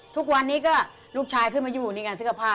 ตอนนี้ลูกชายขึ้นมาอยู่ในการเสื้อผ้า